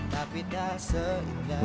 tapi tak seindah kamu